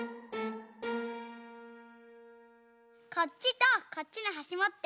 こっちとこっちのはしもって。